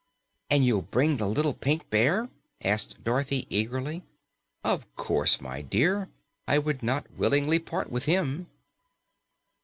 "And you'll bring the little Pink Bear?" asked Dorothy eagerly. "Of course, my dear. I would not willingly part with him."